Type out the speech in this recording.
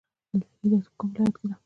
د لیلی دښته په کوم ولایت کې ده؟